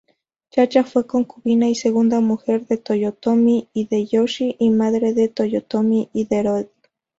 Chacha fue concubina y segunda mujer de Toyotomi Hideyoshi y madre de Toyotomi Hideyori.